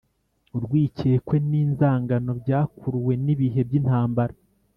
urwikekwe n’inzangano byakuruwe n’ibihe by’intambara